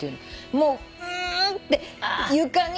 もううんって床に。